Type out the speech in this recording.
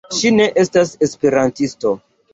Ŝi ne estas esperantisto.